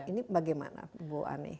ini bagaimana bu ani